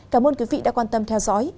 cảm ơn quý vị đã quan tâm theo dõi